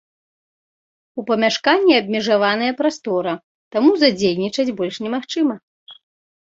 У памяшканні абмежаваная прастора, таму задзейнічаць больш немагчыма.